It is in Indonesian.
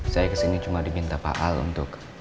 saya kesini cuma diminta pak al untuk